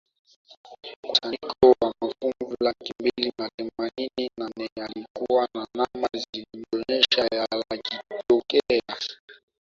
mkusanyiko wa mafuvu laki mbili na themanini na nne yalikuwa na namba zilizoonyesha yalitokea